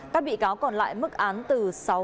các bị cáo còn lại mức án từ sáu